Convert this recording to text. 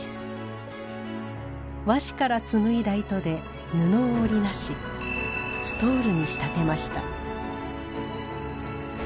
和紙から紡いだ糸で布を織りなしストールに仕立てました。